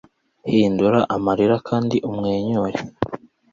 hindura amarira kandi umwenyure